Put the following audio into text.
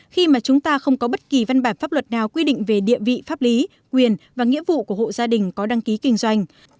khi mà chúng ta không có bất kỳ văn bản pháp luật nào quy định về địa vị pháp lý quyền và nghĩa vụ của hộ gia đình có đăng ký kinh doanh